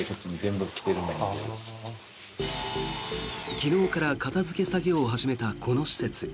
昨日から片付け作業を始めたこの施設。